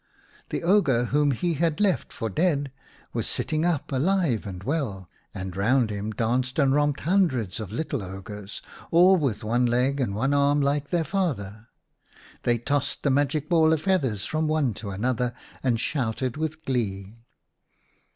The ogre whom he had left for dead was sitting up alive and well, and round him danced and romped hundreds of little ogres, all with one leg and one arm like their father. They tossed the magic ball of feathers from one to another and shouted with glee.